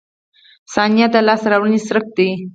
• ثانیه د لاسته راوړنې څرک دی.